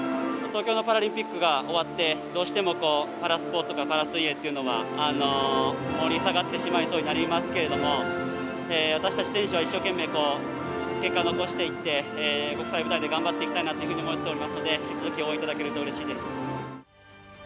東京のパラリンピックが終わってどうしてもこうパラスポーツとかパラ水泳っていうのが盛り下がってしまいそうになりますけれども私たち選手は一生懸命結果を残していって国際舞台で頑張っていきたいなというふうに思っておりますので引き続き応援頂けるとうれしいです。